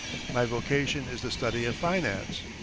My vocation is the study of finance.